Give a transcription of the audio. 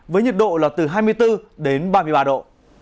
với nhiệt độ là từ hai mươi bốn đến ba mươi ba độ